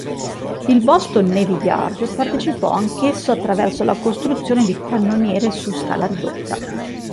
Il Boston Navy Yard partecipò anch'esso attraverso la costruzione di cannoniere su scala ridotta.